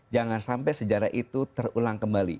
jangan sampai sejarah itu terulang kembali